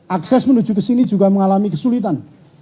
akses menuju kesini juga mengalami kesulitan